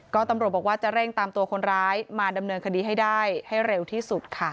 ก็ตำรวจบอกว่าจะเร่งตามตัวคนร้ายมาดำเนินคดีให้ได้ให้เร็วที่สุดค่ะ